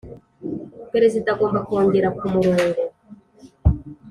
Perezida agomba kongera ku murongo